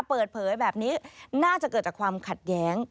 เปิดเผยแบบนี้น่าจะเกิดจากความขัดแย้ง